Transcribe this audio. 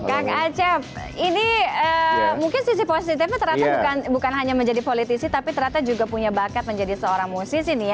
kang acep mungkin sisi positifnya bukan hanya menjadi politisi tapi juga punya bakat menjadi seorang musisi